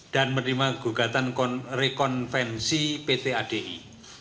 dan menerima gugatan rekonvensi pt adi